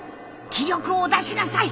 気力を出しなさい！